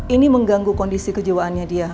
ini mengganggu kondisi kejiwaannya dia